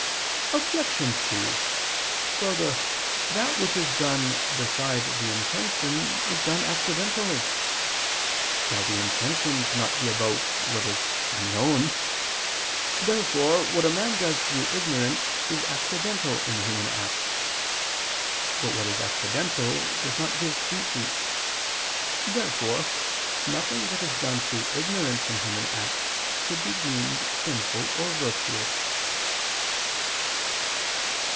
Obj. 2: Further, that which is done beside the intention, is done accidentally. Now the intention cannot be about what is unknown. Therefore what a man does through ignorance is accidental in human acts. But what is accidental does not give the species. Therefore nothing that is done through ignorance in human acts, should be deemed sinful or virtuous.